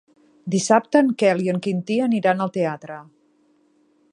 Dissabte en Quel i en Quintí aniran al teatre.